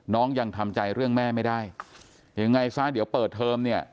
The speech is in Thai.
ยังทำใจเรื่องแม่ไม่ได้ยังไงซะเดี๋ยวเปิดเทอมเนี่ย